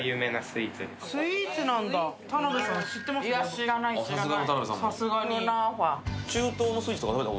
知らない、知らない。